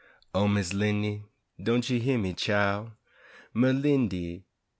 O, Miss 'Lindy, doan' you hyuh me, chil', Merlindy!